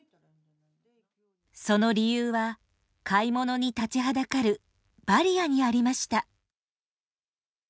その理由は買い物に立ちはだかるバリアにありました。